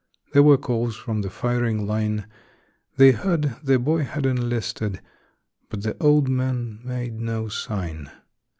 There were calls from the firing line; They heard the boy had enlisted, but the old man made no sign.